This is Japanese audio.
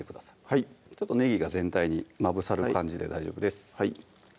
はいねぎが全体にまぶさる感じで大丈夫です